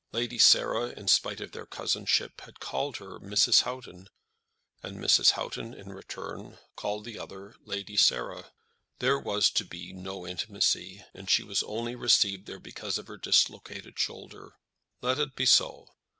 Lady Sarah, in spite of their cousinship, had called her Mrs. Houghton, and Mrs. Houghton, in return, called the other Lady Sarah. There was to be no intimacy, and she was only received there because of her dislocated shoulder. Let it be so.